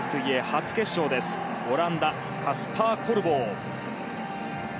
初決勝です、オランダカスパー・コルボー。